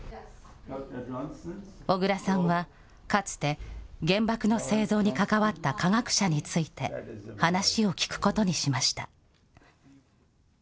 小倉さんは、かつて原爆の製造に関わった科学者について話を聞くことにしました。